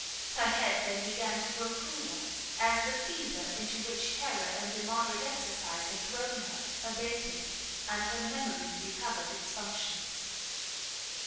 Her head then began to grow cooler, as the fever into which terror and immoderate exercise had thrown her abated, and her memory recovered its functions.